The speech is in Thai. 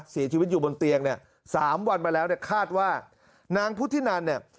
เสียชีวิตอยู่บนเตียง๓วันมาแล้วคาดว่านางพุธินัน